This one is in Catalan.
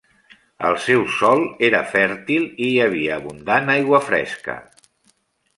El seu sòl era fèrtil i hi havia abundant aigua fresca.